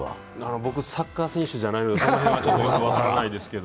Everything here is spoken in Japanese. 僕サッカー選手じゃないのでその辺はよく分からないですけど。